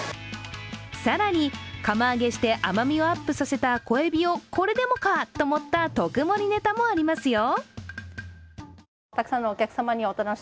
更に釜揚げして甘みをアップさせた小えびを、これでもか！と盛った特盛りネタもありますよ。